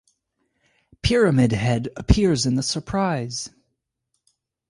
Pyramid Head appears in the Surprise!